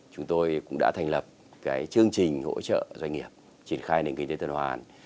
chúng tôi cũng đã thành lập chương trình hỗ trợ doanh nghiệp triển khai nền kinh tế tân hoàn